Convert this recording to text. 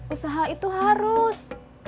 usaha itu harus